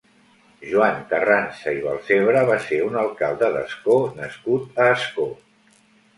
Joan Carranza i Balsebre va ser un alcalde d'Ascó nascut a Ascó.